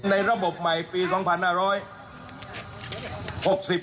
ในระบบใหม่ปี๒๕๖๐